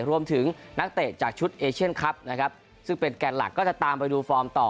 นักเตะจากชุดเอเชียนคลับนะครับซึ่งเป็นแกนหลักก็จะตามไปดูฟอร์มต่อ